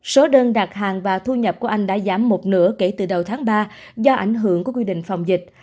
số đơn đặt hàng và thu nhập của anh đã giảm một nửa kể từ đầu tháng ba do ảnh hưởng của quy định phòng dịch